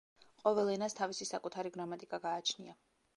ყოველ ენას თავისი საკუთარი გრამატიკა გააჩნია.